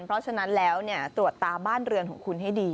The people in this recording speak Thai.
เพราะฉะนั้นแล้วตรวจตาบ้านเรือนของคุณให้ดี